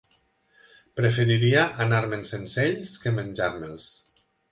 Preferiria anar-me"n sense ells que menjar-me"ls.